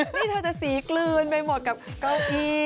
นี่เธอจะสีกลืนไปหมดกับเก้าอี้